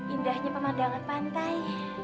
indahnya pemandangan pantai